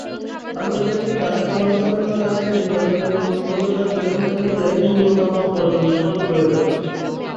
আন্তর্জাতিক দাতা সংস্থাগুলোর কাছে নির্বাচনের গ্রহণযোগ্যতা তুলে ধরতে হলে ন্যূনতম পর্যবেক্ষণ প্রয়োজন।